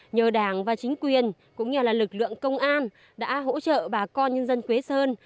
nhờ đảng và chính quyền cũng như là lực lượng công an đã hỗ trợ bà con nhân dân quế sơn